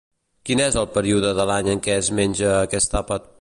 Quin és el període de l'any en què es menja aquest àpat?